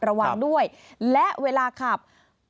ระวังด้วยและเวลาขับ